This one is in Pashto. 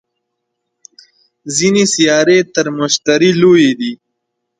ځینې سیارې تر مشتري لویې دي